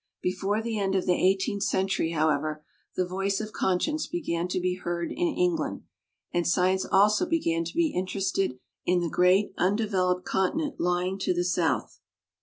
Before the end of the eighteenth century, however, the voice of conscience began to be heard in England, and science also began to be inter ested in the great undeveloped continent lying to the South.